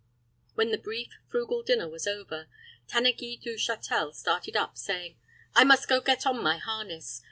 When the brief, frugal dinner was over, Tanneguy du Châtel started up, saying, "I must go get on my harness.